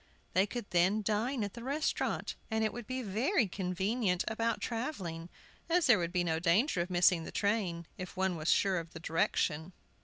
They could then dine at the restaurant, and it would be very convenient about travelling, as there would be no danger of missing the train, if one were sure of the direction.